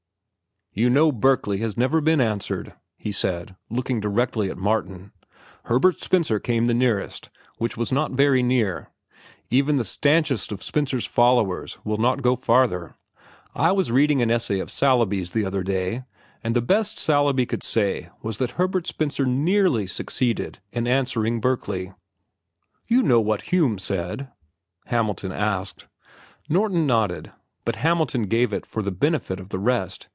"You know Berkeley has never been answered," he said, looking directly at Martin. "Herbert Spencer came the nearest, which was not very near. Even the stanchest of Spencer's followers will not go farther. I was reading an essay of Saleeby's the other day, and the best Saleeby could say was that Herbert Spencer nearly succeeded in answering Berkeley." "You know what Hume said?" Hamilton asked. Norton nodded, but Hamilton gave it for the benefit of the rest.